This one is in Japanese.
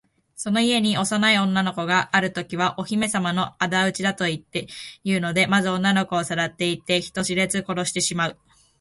その家に幼い女の子があるときは、お姫さまのあだ討ちだというので、まず女の子をさらっていって、人知れず殺してしまう。